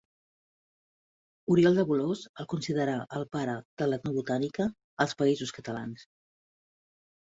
Oriol de Bolòs el considera el pare de l'etnobotànica als Països Catalans.